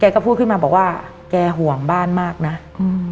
ก็พูดขึ้นมาบอกว่าแกห่วงบ้านมากน่ะอืม